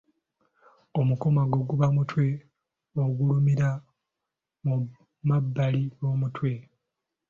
Omukomago guba mutwe ogulumira mu mabbali g’omutwe.